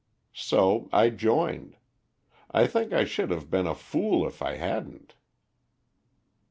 So I joined. I think I should have been a fool if I hadn't."